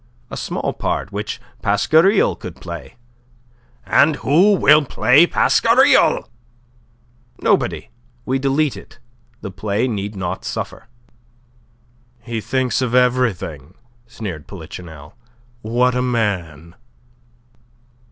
"A small part, which Pasquariel could play." "And who will play Pasquariel?" "Nobody. We delete it. The play need not suffer." "He thinks of everything," sneered Polichinelle. "What a man!"